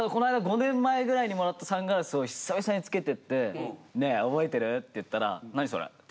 ５年前ぐらいにもらったサングラスを久々に着けてって「ねえ覚えてる？」って言ったら「何？それ」って。